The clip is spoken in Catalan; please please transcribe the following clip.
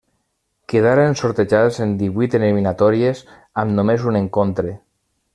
Quedaren sortejats en divuit eliminatòries amb només un encontre.